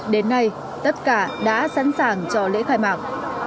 đến nay tất cả đã sẵn sàng cho lễ khai mạc